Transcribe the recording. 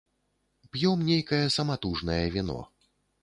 П'ём нейкае саматужнае віно.